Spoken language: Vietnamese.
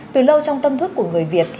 từ lâu trong tâm thức của người việt